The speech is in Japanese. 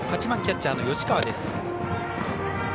８番、キャッチャーの吉川。